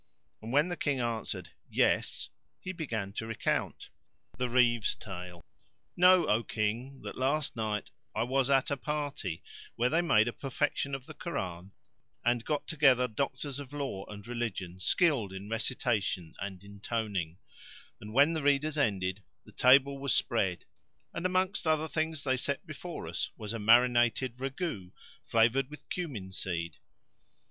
And when the King answered "Yes" he began to recount The Reeve's Tale. Know, O King, that last night I was at a party where they made a perlection of the Koran and got together doctors of law and religion skilled in recitation and intoning; and, when the readers ended, the table was spread and amongst other things they set before us was a marinated ragout[FN#553] flavoured with cumin seed.